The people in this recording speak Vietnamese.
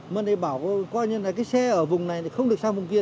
mình bảo coi như là cái xe ở vùng này không được sang vùng kia